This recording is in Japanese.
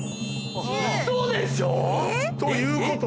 ウソでしょ？ということは？